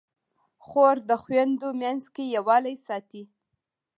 خور د خویندو منځ کې یووالی ساتي.